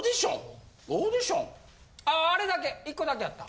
ああれだけ１個だけあった。